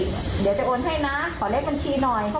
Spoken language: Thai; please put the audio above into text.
เดี๋ยวจะโอนให้นะขอเลขบัญชีหน่อย